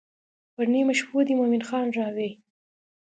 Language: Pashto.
پر نیمو شپو دې مومن خان راوی.